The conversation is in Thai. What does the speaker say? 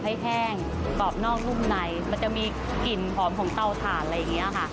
ให้แห้งกรอบนอกนุ่มในมันจะมีกลิ่นหอมของเตาถ่านอะไรอย่างนี้ค่ะ